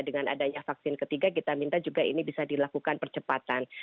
dengan adanya vaksin ketiga kita minta juga ini bisa dilakukan percepatan